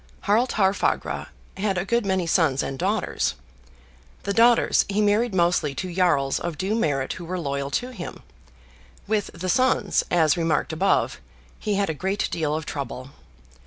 Harald Haarfagr had a good many sons and daughters; the daughters he married mostly to jarls of due merit who were loyal to him; with the sons, as remarked above, he had a great deal of trouble.